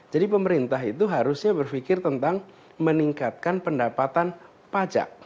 jadi pemerintah itu harusnya berpikir tentang meningkatkan pendapatan pajak